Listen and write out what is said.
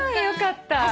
よかった。